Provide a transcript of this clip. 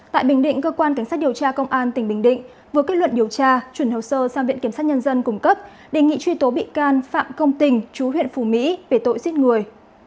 tại bình định cơ quan cảnh sát điều tra công an tỉnh bình định vừa kết luận điều tra chuyển hồ sơ sang viện kiểm sát nhân dân cung cấp đề nghị truy tố bị can phạm công tình chú huyện phù mỹ về tội giết người